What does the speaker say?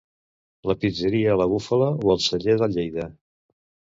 La pizzeria la Bufala o el Celler de Lleida?